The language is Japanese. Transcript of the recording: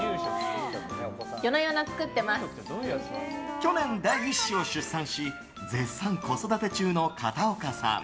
去年、第１子を出産し絶賛子育て中の片岡さん。